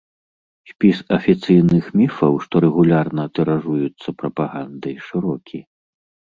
Спіс афіцыйных міфаў, што рэгулярна тыражуюцца прапагандай, шырокі.